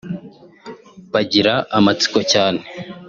bagira amatsiko cyane